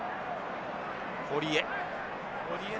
堀江。